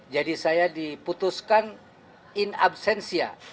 jadi saya diputuskan in absensia